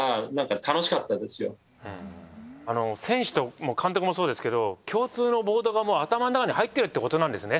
選手と監督もそうですけど共通のボードが頭の中に入ってるってことなんですね。